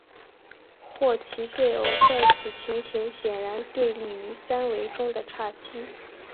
霍奇对偶在此情形显然对应于三维中的叉积。